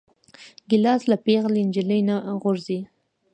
ګیلاس له پېغلې نجلۍ نه غورځي.